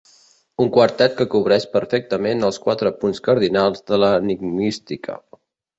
Un quartet que cobreix perfectament els quatre punts cardinals de l'enigmística.